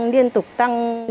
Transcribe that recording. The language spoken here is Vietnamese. liên tục tăng